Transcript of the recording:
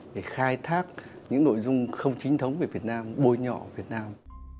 để khai thác những nội dung không chính thống về việt nam bôi nhọ việt nam